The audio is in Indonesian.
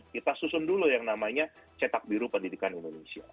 kita susun dulu yang namanya cetak biru pendidikan indonesia